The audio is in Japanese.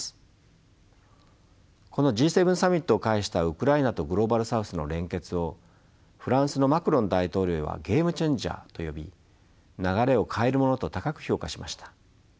このＧ７サミットを介したウクライナとグローバル・サウスの連結をフランスのマクロン大統領はゲーム・チェンジャーと呼び流れを変えるものと高く評価しました。